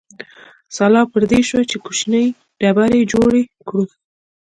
سلا پر دې شوه چې کوچنۍ ډبرې جوړې کړو.